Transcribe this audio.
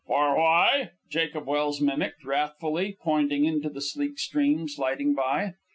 "For why?" Jacob Welse mimicked wrathfully, pointing into the sleek stream sliding by.